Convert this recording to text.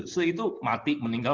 se itu mati meninggal